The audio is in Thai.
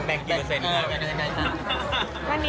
แบ่งกี่เปอร์เซ็นต์เขาก็ได้